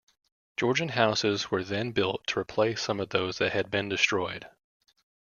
Georgian houses were then built to replace some of those that had been destroyed.